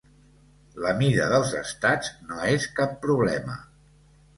La mida dels estats no és cap problema.